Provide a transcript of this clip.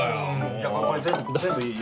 じゃあこれ全部いい？